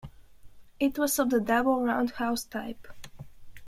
It was of the double roundhouse type.